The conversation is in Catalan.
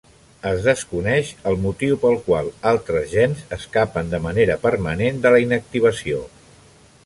Es desconeix el motiu pel qual altres gens escapen de manera permanent de la inactivació.